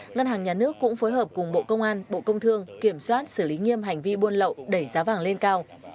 ngân hàng nhà nước cũng phối hợp cùng bộ công an bộ công thương kiểm soát xử lý nghiêm hành vi buôn lậu đẩy giá vàng lên cao